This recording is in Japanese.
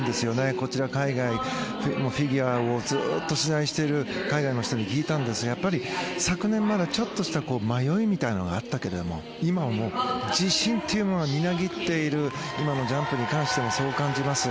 こちら、フィギュアをずっと取材している海外の人に聞いたんですがやっぱり昨年まだちょっとした迷いみたいなものがあったけど今はもう自信というものがみなぎっている今のジャンプに関してもそう感じます。